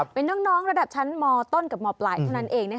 เป็นน้องระดับชั้นมต้นกับมปลายเท่านั้นเอง